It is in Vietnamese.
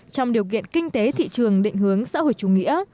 trong điều kiện kinh tế thị trường định hướng xã hội chủ nghĩa